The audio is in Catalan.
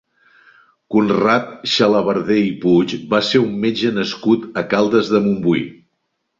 Conrad Xalabarder i Puig va ser un metge nascut a Caldes de Montbui.